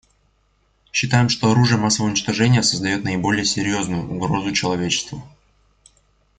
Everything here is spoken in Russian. Считаем, что оружие массового уничтожения создает наиболее серьезную угрозу человечеству.